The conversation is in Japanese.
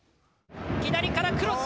左からクロス！